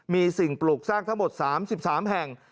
มีสิ่งปลูกสร้างทั้งหมด๓๓แห่ง